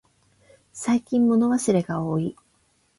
最近忘れ物がおおい。